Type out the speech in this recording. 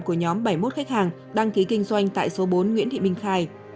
của nhóm bảy mươi một khách hàng đăng ký kinh doanh tại số bốn nguyễn thị minh khai